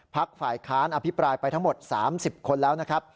ฝ่ายค้านอภิปรายไปทั้งหมด๓๐คนแล้วนะครับ